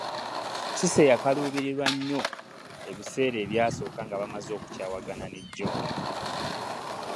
Cissy yakaluubirirwa nnyo ebiseera ebyasooka nga bamaze okukyawagana ne John.